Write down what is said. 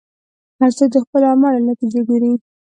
هر څوک د خپلو اعمالو نتیجه ګوري.